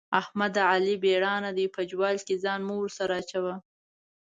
احمده؛ علي بېړا دی - په جوال کې ځان مه ورسره اچوه.